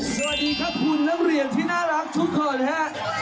สวัสดีครับคุณนักเรียนที่น่ารักทุกคนฮะ